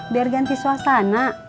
biar ganti suasana